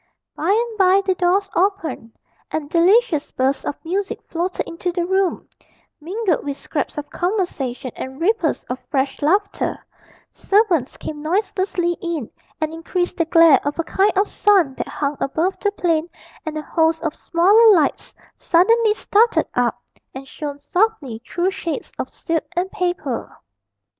By and by the doors opened, and delicious bursts of music floated into the room, mingled with scraps of conversation and ripples of fresh laughter; servants came noiselessly in and increased the glare of a kind of sun that hung above the plain, and a host of smaller lights suddenly started up and shone softly through shades of silk and paper.